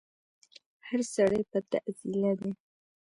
هر سړی په تعضيله دی